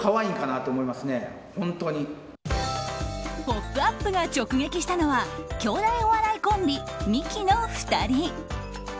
「ポップＵＰ！」が直撃したのは兄弟お笑いコンビ、ミキの２人。